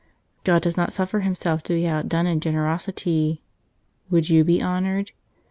God does not suffer Himself to be outdone in gen¬ erosity. Would you be honored?